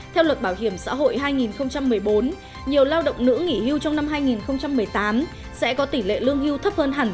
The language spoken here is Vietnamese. theo luật bảo hiểm xã hội hai nghìn một mươi bốn nhiều lao động nữ nghỉ hưu trong năm hai nghìn một mươi tám sẽ có tỷ lệ lương hưu thấp hơn hẳn